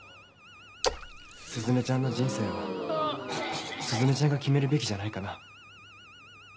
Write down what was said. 鈴音ちゃんの人生は鈴音ちゃんが決めるべきじゃないかな。